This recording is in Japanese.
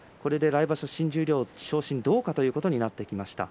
来場所、新十両昇進はどうかということになってきました。